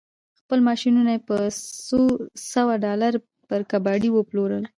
خپل ماشينونه يې په څو سوه ډالر پر کباړي وپلورل.